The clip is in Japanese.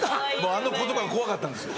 あの言葉が怖かったんですよ。